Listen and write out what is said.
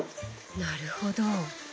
なるほど。